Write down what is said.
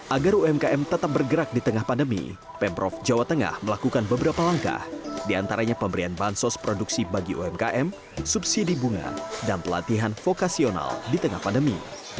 agar umkm tetap bergerak di tengah pandemi pemprov jawa tengah melakukan beberapa langkah diantaranya pemberian bansos produksi bagi umkm subsidi bunga dan pelatihan vokasional di tengah pandemi